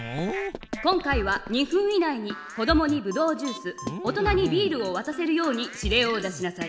今回は２分以内に子どもにブドウジュース大人にビールをわたせるように指令を出しなさい。